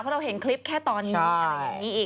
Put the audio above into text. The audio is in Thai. เพราะเราเห็นคลิปแค่ตอนนี้